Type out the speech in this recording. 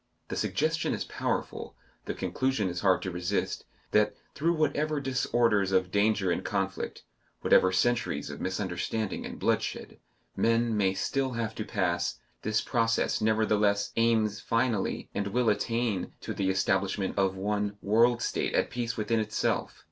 The suggestion is powerful, the conclusion is hard to resist, that, through whatever disorders of danger and conflict, whatever centuries of misunderstanding and bloodshed, men may still have to pass, this process nevertheless aims finally, and will attain to the establishment of one world state at peace within itself.